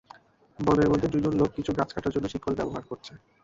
বনের মধ্যে দুজন লোক কিছু গাছ কাটার জন্য শিকল ব্যবহার করছে